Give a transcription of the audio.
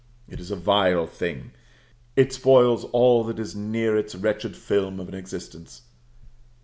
It is a vile thing; it spoils all that is near its wretched film of an existence.